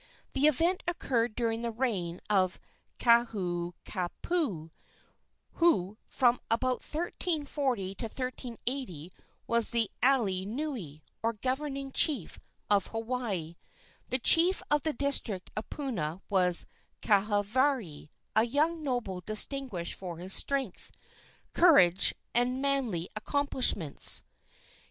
The event occurred during the reign of Kahoukapu, who from about 1340 to 1380 was the alii nui, or governing chief, of Hawaii. The chief of the district of Puna was Kahavari, a young noble distinguished for his strength, courage and manly accomplishments.